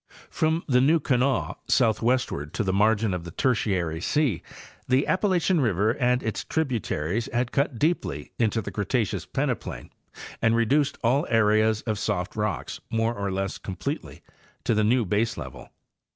From the New Kanawha southwestward to the margin of the Tertiary sea the Appalachian river and its tributaries had cut deeply into the Cretaceous peneplain and reduced all areas of soft rocks, more or less completely, to the new baselevel.